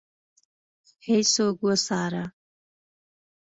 هیڅوک وڅاره.